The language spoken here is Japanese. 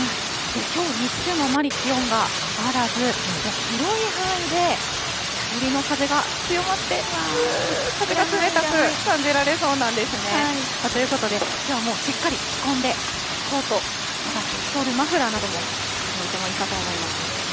きょう日中もあまり気温が上がらず、広い範囲で北寄りの風が強まって、風が冷たく感じられそうなんですね。ということで、きょうはもう、しっかり着込んで、コート、またストール、マフラーなどもつけておいてもいいかと思います。